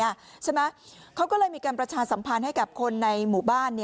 ใช่ไหมเขาก็เลยมีการประชาสัมพันธ์ให้กับคนในหมู่บ้าน